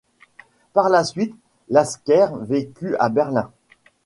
Par la suite, Lasker vécut à Berlin.